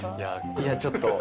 いや、ちょっと。